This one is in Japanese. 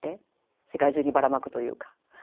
世界中にばらまくというか。